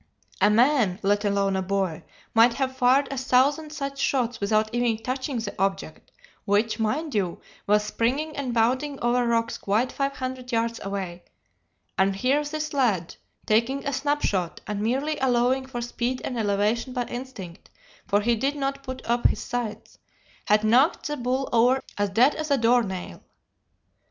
A man, let alone a boy, might have fired a thousand such shots without ever touching the object; which, mind you, was springing and bounding over rocks quite five hundred yards away; and here this lad taking a snap shot, and merely allowing for speed and elevation by instinct, for he did not put up his sights had knocked the bull over as dead as a door nail.